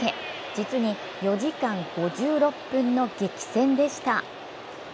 実に４時間５６分の激戦でした。